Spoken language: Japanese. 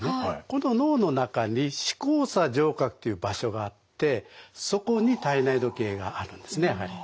この脳の中に視交叉上核という場所があってそこに体内時計があるんですねやはり。